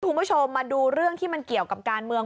คุณผู้ชมมาดูเรื่องที่มันเกี่ยวกับการเมือง